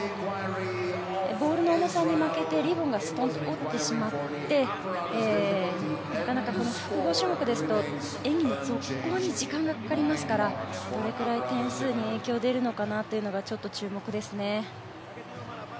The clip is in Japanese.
ボールの重さに負けてリボンがすとんと落ちてしまってなかなか複合種目ですと演技の続行に時間がかかりますからどれくらい点数に影響が出るのかというのが注目ですね。